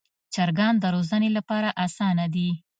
چرګان د روزنې لپاره اسانه دي.